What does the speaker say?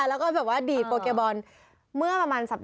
และก็แบบดีดโปเกโบน